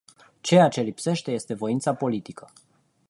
Ceea ce lipsește este voința politică.